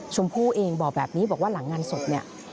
ชมพู่เองบอกแบบนี้บอกว่าหลังงานศพเนี่ย